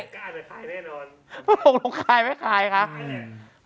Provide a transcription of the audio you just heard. ก็อาจจะคายแน่นอนบอกลงคายไม่คายครับไม่คาย